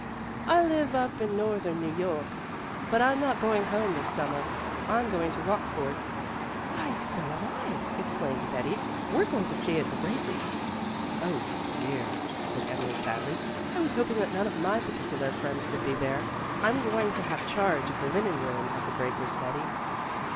"I live up in northern New York, but I'm not going home this summer. I'm going to Rockport " "Why, so am I!" exclaimed Betty. "We're going to stay at The Breakers." "Oh, dear!" said Emily sadly, "I was hoping that none of my particular friends would be there. I'm going to have charge of the linen room at The Breakers, Betty."